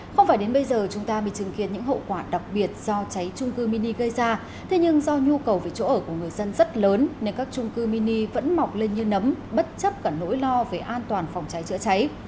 không phải đến bây giờ chúng ta bị chứng kiến những hậu quả đặc biệt do cháy trung cư mini gây ra thế nhưng do nhu cầu về chỗ ở của người dân rất lớn nên các trung cư mini vẫn mọc lên như nấm bất chấp cả nỗi lo về an toàn phòng cháy chữa cháy